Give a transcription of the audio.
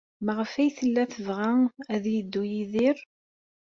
Maɣef ay tella tebɣa ad yeddu Yidir?